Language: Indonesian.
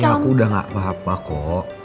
aku udah gak apa apa kok